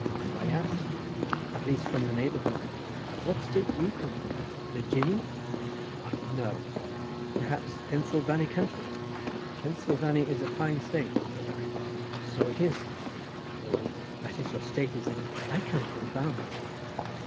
"Why yaas—at least from the neighbourhood. What State do you come from? Virginny?" "Why no!" "Perhaps Pensilvany country?" "Pensilvany is a fine state," said I. "So it is, Mr. O, that is your state, is it? I come from Varmont."